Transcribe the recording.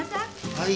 はい。